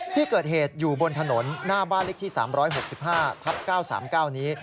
ที่เกิดเหตุอยู่บนถนนหน้าบ้านเลขที่๓๖๕ทับ๙๓๙นี้